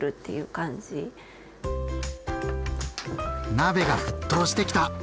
鍋が沸騰してきた！